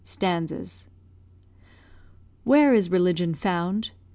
STANZAS Where is religion found?